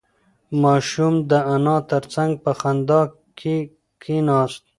ماشوم د انا تر څنگ په خندا کې کېناست.